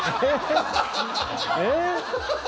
えっ！